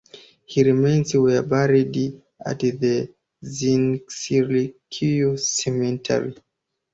His remains were buried at the Zincirlikuyu Cemetery.